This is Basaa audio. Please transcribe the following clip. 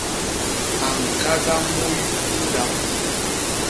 A ñkada muy i ndap.